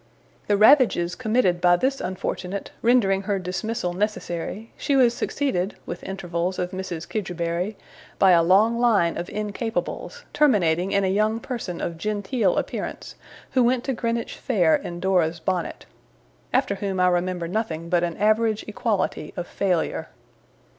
The ravages committed by this unfortunate, rendering her dismissal necessary, she was succeeded (with intervals of Mrs. Kidgerbury) by a long line of Incapables; terminating in a young person of genteel appearance, who went to Greenwich Fair in Dora's bonnet. After whom I remember nothing but an average equality of failure.